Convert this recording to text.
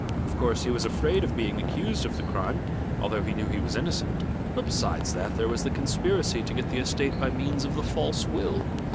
Of course, he was afraid of being accused of the crime, although he knew he was innocent, but, besides that, there was the conspiracy to get the estate by means of the false will.